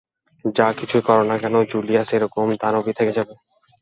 যা কিছুই করো না কেন, জুলিয়াস এরকম দানবই থেকে যাবে।